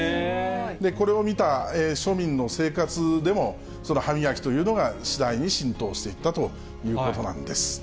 これを見た庶民の生活でも、歯磨きというのが次第に浸透していったということなんです。